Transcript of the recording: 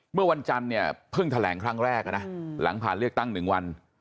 เมื่อวันจันทร์เนี่ยเพิ่งแถลงครั้งแรกนะหลังผ่านเลือกตั้ง๑วัน